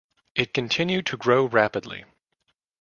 It continued to grow rapidly.